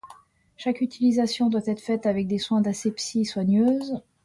Chaque utilisation doit être faite avec des soins d'asepsie soigneuse.